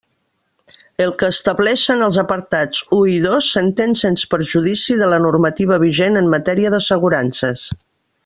El que estableixen els apartats u i dos s'entén sens perjudici de la normativa vigent en matèria d'assegurances.